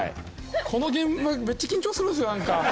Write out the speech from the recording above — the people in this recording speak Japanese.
この現場めっちゃ緊張するんですよ。